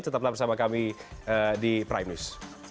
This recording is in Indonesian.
tetaplah bersama kami di prime news